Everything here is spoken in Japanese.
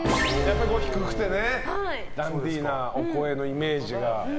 低くてダンディーなお声のイメージが。